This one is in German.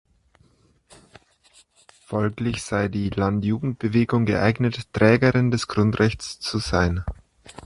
Folglich sei die Landjugendbewegung geeignet, Trägerin des Grundrechts zu sein.